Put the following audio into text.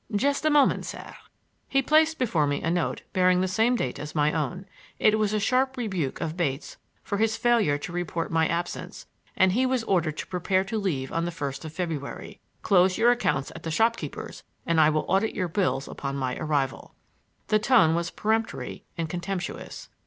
Just a moment, sir." He placed before me a note bearing the same date as my own. It was a sharp rebuke of Bates for his failure to report my absence, and he was ordered to prepare to leave on the first of February. "Close your accounts at the shopkeepers' and I will audit your bills on my arrival." The tone was peremptory and contemptuous.